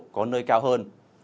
có nơi cao hơn